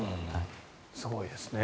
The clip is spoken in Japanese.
すごいですね。